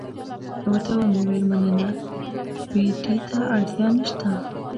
ورته ومې ویل مننه، پېټي ته اړتیا نشته.